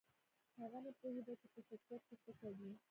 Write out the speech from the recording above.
هغه نه پوهېده چې په شرکت کې څه کوي.